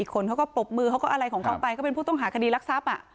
คนเขาก็ปรบมือเขาก็อะไรของเขาไปก็เป็นผู้ต้องหาคดีรักทรัพย์